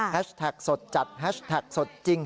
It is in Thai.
แท็กสดจัดแฮชแท็กสดจริง